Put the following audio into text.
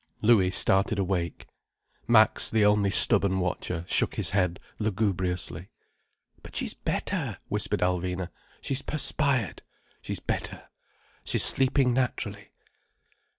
Louis started awake. Max, the only stubborn watcher, shook his head lugubriously. "But she's better," whispered Alvina. "She's perspired. She's better. She's sleeping naturally."